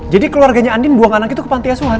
jadi keluarganya andin buang anak itu ke pantiasuhan